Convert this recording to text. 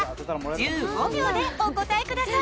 １５秒でお答えください！